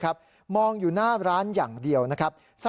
ค้าเป็นผู้ชายชาวเมียนมา